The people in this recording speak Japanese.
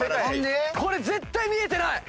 これ絶対見えてない！